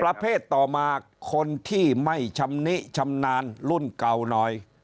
ประเภทต่อมาคนที่ไม่ชำนิชำนาญรุ่นเก่าหน่อย